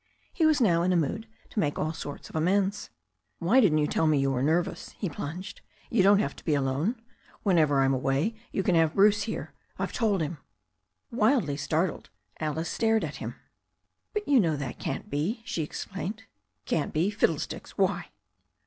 He was now in a mood to make all sorts of amends. "Why didn't you tell me you were nervous?" he plunged. "You don't have to be alone. Whenever I'm away you can have Bruce here. I've told him." THE STORY OF A NEW ZEALAND RIVER 93 Wildly startled, Alice stared at him. "But you know that can't be/' she exclaimed. "Can't be! Fiddlesticks! Why?"